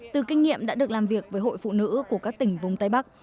từ kinh nghiệm đã được làm việc với hội phụ nữ của các tỉnh vùng tây bắc